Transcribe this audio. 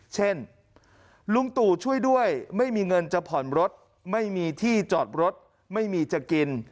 เช่นลุงตู่ช่วยด้วยไม่มีเงินจะผ่อนรถไม่มีที่จอดรถไม่มีจะกิน